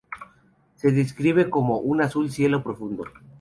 Se describe como un azul cielo profundo.